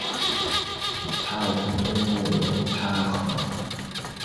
查尔村东部有嚓尔河。